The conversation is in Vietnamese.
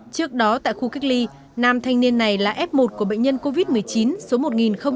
trước đó tại khu cách ly nam thanh niên này là f một của bệnh nhân covid một mươi chín số một nghìn hai mươi